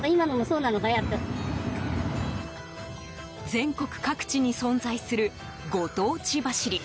全国各地に存在するご当地走り。